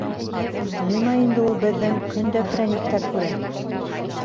Ғимай инде ул беҙҙең көн дә прәниктәр күрә...